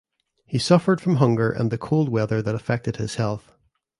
He suffered from hunger and the cold weather that affected his health.